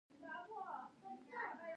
زه به ښار ته ولاړ شم، ښه شپه ولرئ زمري.